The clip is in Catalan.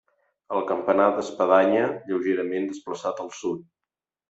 El campanar d'espadanya, lleugerament desplaçat al sud.